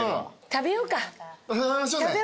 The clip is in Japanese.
食べようか。